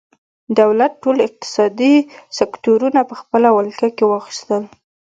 دولت ټول اقتصادي سکتورونه په خپله ولکه کې واخیستل.